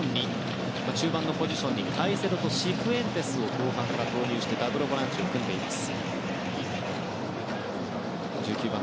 中盤のポジションにカイセドとシフエンテスを後半から投入してダブルボランチを組んでいます。